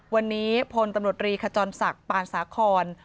วันนี้พลตำรวจรีขจรศักดิ์ปานสาคอน